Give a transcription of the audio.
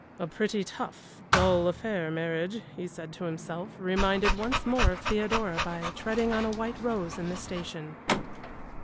"A pretty tough, dull affair marriage," he said to himself, reminded once more of Theodora by treading on a white rose in the station.